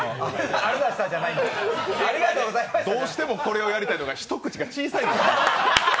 どうしてもこれをやりたいのか、一口が小さいのよ。